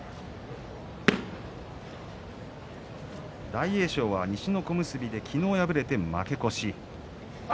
大栄翔は西の小結で昨日、敗れて負け越し。